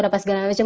apa segala macam